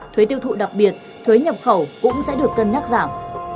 thuế tiêu thụ đặc biệt thuế nhập khẩu cũng sẽ được cân nhắc giảm